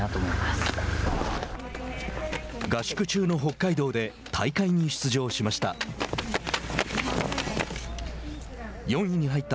合宿中の北海道で大会に出場しました。